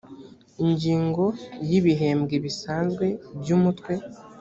ingingo ya ibihembwe bisanzwe by umutwe